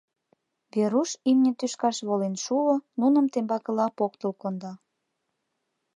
Веруш имне тӱшкаш волен шуо, нуным тембакыла поктыл конда.